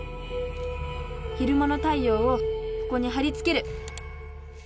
昼間の太ようをここにはりつける。